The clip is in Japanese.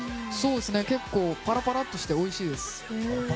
結構パラパラっとしておいしいです。